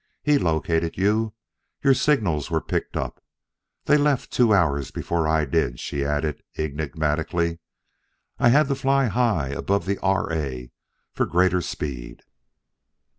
"He located you; your signals were picked up.... They left two hours before I did," she added enigmatically. "I had to fly high, above the R. A. for greater speed."